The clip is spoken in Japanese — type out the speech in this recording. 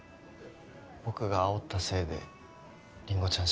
僕があおったせいでりんごちゃん